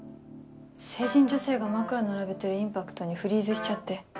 成人女性が枕並べてるインパクトにフリーズしちゃって。